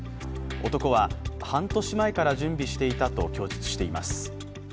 男は、半年前から準備していたと供述しています。